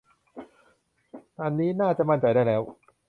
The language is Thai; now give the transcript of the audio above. อันนี้น่าจะมั่นใจได้แล้ว